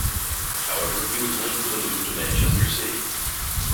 However, he was linked with a move to Manchester City.